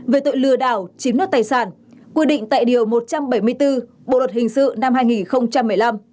về tội lừa đảo chiếm đoạt tài sản quy định tại điều một trăm bảy mươi bốn bộ luật hình sự năm hai nghìn một mươi năm